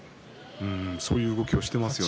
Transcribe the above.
そういう動きをしていますね。